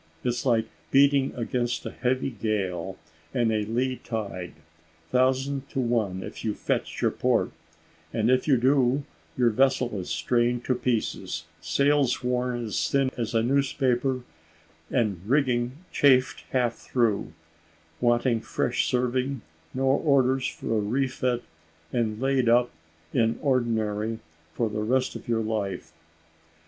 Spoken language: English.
It's like beating against a heavy gale and a lee tide thousand to one if you fetch your port; and if you do, your vessel is strained to pieces, sails worn as thin as a newspaper, and rigging chafed half through, wanting fresh serving: no orders for a refit, and laid up in ordinary for the rest of your life.